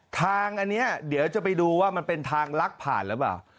ทางอันนี้เดี๋ยวจะไปดูว่ามันเป็นทางลักผ่านหรือเปล่า